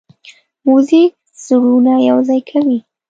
موزیک زړونه یوځای کوي.